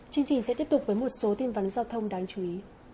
chương trình sẽ tiếp tục với một số tin vấn giao thông đáng chú ý